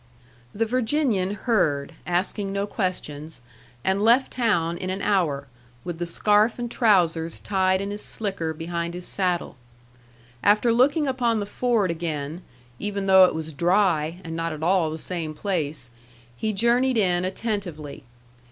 The Virginian heard, asking no questions; and left town in an hour, with the scarf and trousers tied in his slicker behind his saddle. After looking upon the ford again, even though it was dry and not at all the same place, he journeyed in attentively.